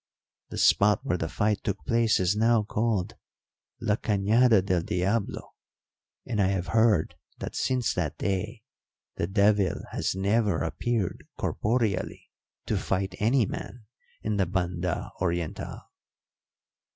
The spot where the fight took place is now called La Cañada del Diablo, and I have heard that since that day the devil has never appeared corporeally to fight any man in the Banda Orientál."